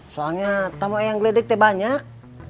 soalnya tamu ayang gledek teh banyak